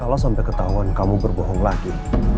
kalau sampai ketahuan kamu berbohong lagi